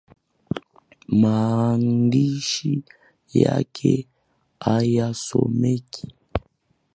Maandishi yake hayasomeki